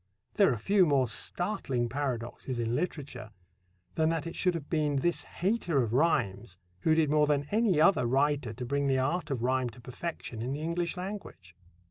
There are few more startling paradoxes in literature than that it should have been this hater of rhymes who did more than any other writer to bring the art of rhyme to perfection in the English language.